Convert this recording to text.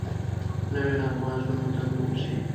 نوې نغمه زړونو ته ننوځي